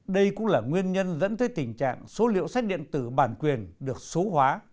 đây cũng là nguyên nhân dẫn tới tình trạng số liệu sách điện tử bản quyền được số hóa